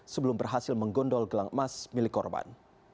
sebelum berhasil menggondol gelang emas milik korban